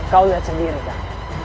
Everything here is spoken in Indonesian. kau lihat sendiri kak